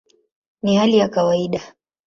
Ni hali ya kawaida".